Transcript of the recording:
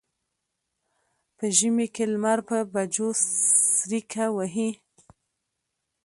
په ژمي کې لمر په بجو څریکه وهي.